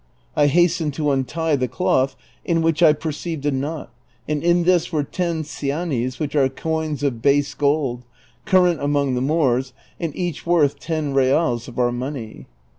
I hastened to untie the cloth, in which I perceived a knot, and in this were ten cianis, which are coins of base gold, current among the Moors, and each worth ten reals of our money.